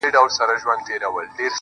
په جنګ کي سره نښتي دوه ماران خلاصومه